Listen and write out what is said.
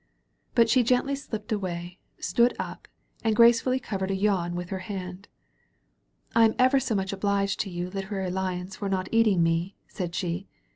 But she gently slipped away, stood up» and grace fully covered a yawn with her hand. '*I am ever so much obliged to you Literary Lions for not eating me/' said she.